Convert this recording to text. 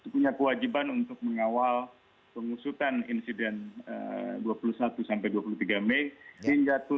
punya kewajiban untuk mengawal pengusutan insiden dua puluh satu sampai dua puluh tiga mei